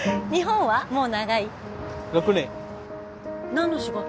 何の仕事？